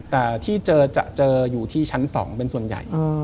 แต่ที่เจอจะเจออยู่ที่ชั้น๒เป็นส่วนใหญ่